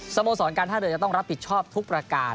สโมสรการท่าเรือจะต้องรับผิดชอบทุกประการ